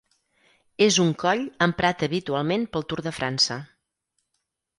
És un coll emprat habitualment pel Tour de França.